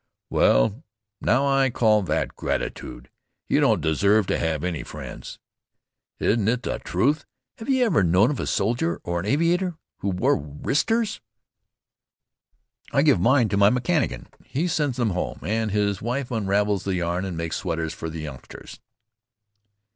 "Well, now, I call that gratitude! You don't deserve to have any friends." "Isn't it the truth? Have you ever known of a soldier or an aviator who wore wristers?" "I give mine to my mechanician. He sends them home, and his wife unravels the yarn and makes sweaters for the youngsters."